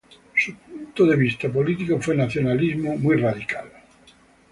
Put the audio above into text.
Su punto de vista político fue nacionalismo muy radical.